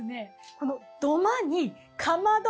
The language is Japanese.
この土間にかまど。